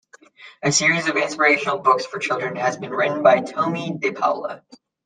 A series of inspirational books for children has been written by Tomie dePaola.